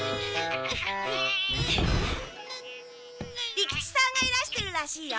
利吉さんがいらしてるらしいよ。